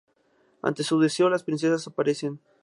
Ante su deseo las princesas aparecen.